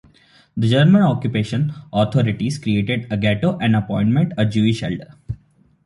The German occupation authorities created a ghetto and appointed a Jewish elder.